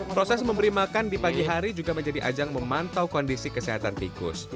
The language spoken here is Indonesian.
proses memberi makan di pagi hari juga menjadi ajang memantau kondisi kesehatan tikus